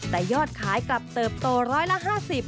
แต่ยอดขายกลับเติบโต๑๕๐บาท